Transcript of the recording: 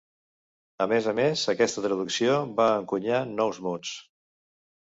A més a més, aquesta traducció va encunyar nous mots.